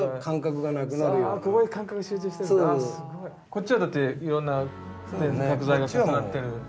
こっちはだっていろんな角材が重なってる。